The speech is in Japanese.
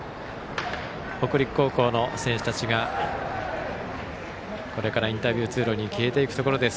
北陸高校の選手たちがこれからインタビュー通路に消えていくところです。